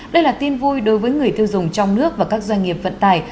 đây là tin vui đối với người tiêu dùng trong nước và các doanh nghiệp vận tải